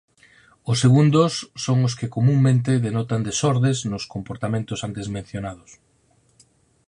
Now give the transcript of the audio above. Os segundos son os que comunmente denotan desordes nos comportamentos antes mencionados.